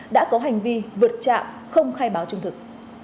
đã có hành vi vượt trạm không khai báo trung thực